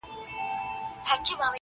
• د هغه مور او پلار د امریکا د داخلي -